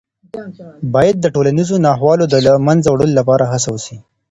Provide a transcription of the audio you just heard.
باید د ټولنیزو ناخوالو د له منځه وړلو لپاره هڅه وسي.